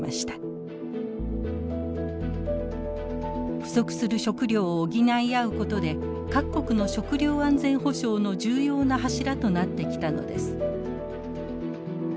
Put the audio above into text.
不足する食料を補い合うことで各国の食料安全保障の重要な柱となってきたのです。